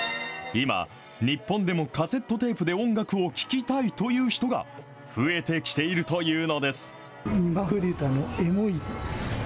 今、日本でもカセットテープで音楽を聴きたいという人が、増えてきているというのです。